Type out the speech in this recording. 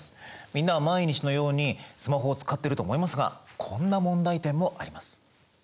みんなは毎日のようにスマホを使ってると思いますがこんな問題点もあります。